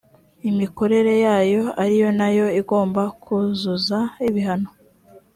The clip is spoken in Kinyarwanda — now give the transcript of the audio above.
imikorere yayo ari nayo igomba kuzuza ibihano